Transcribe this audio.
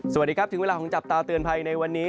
สวัสดีครับถึงเวลาของจับตาเตือนภัยในวันนี้